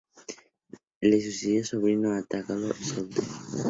Le sucedió su sobrino Átalo I Sóter.